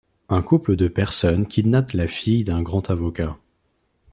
Un couple de personnes kidnappe la fille d'un grand avocat.